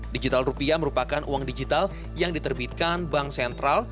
digital rupiah merupakan uang digital yang diterbitkan bank sentral